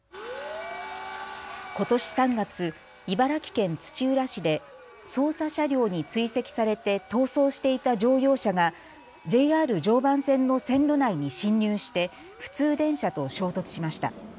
ことし３月、茨城県土浦市で捜査車両に追跡されて逃走していた乗用車がＪＲ常磐線の線路内に進入して普通電車と衝突しました。